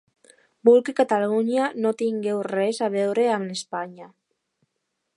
Vull que Catalunya no tingui res a veure amb Espanya.